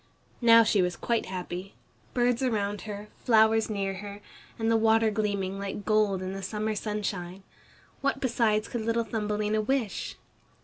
Now she was quite happy! Birds around her, flowers near her, and the water gleaming like gold in the summer sunshine. What besides could little Thumbelina wish?